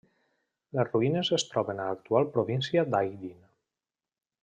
Les ruïnes es troben a l'actual província d'Aydın.